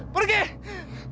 belung aku ya